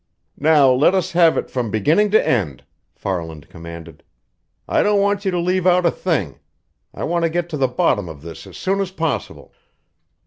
"Now let us have it from beginning to end!" Farland commanded. "I don't want you to leave out a thing. I want to get to the bottom of this as soon as possible."